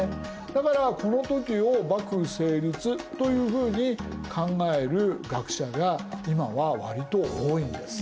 だからこの時を幕府成立というふうに考える学者が今は割と多いんです。